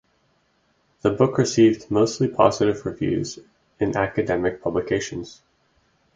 The book received mostly positive reviews in academic publications.